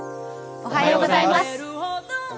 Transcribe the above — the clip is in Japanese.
おはようございます。